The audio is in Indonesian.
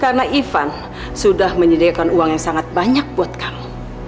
karena ivan sudah menyediakan uang yang sangat banyak buat kamu